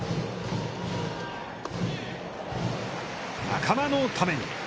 仲間のために。